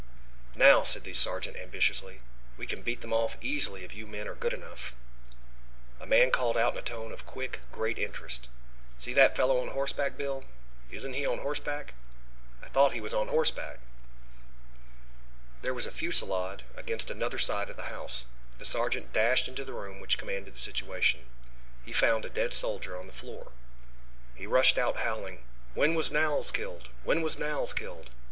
"Now," said the sergeant ambitiously, "we can beat them off easily if you men are good enough." A man called out in a tone of quick, great interest. "See that fellow on horseback, Bill? Isn't he on horseback? I thought he was on horseback." There was a fusilade against another side of the house. The sergeant dashed into the room which commanded the situation. He found a dead soldier on the floor. He rushed out howling: "When was Knowles killed? When was Knowles killed?